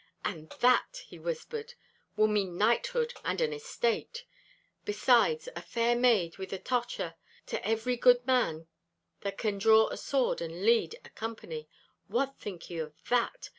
'And that,' he whispered,' will mean knighthood and an estate—besides a fair maid with a tocher, to every good man that can draw a sword and lead a company. What think ye of that?